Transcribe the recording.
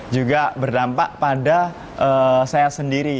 juga berdampak pada saya sendiri